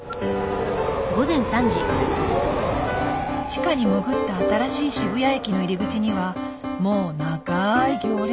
地下に潜った新しい渋谷駅の入り口にはもう長い行列が。